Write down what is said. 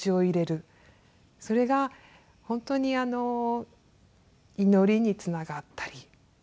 それが本当に祈りにつながったり。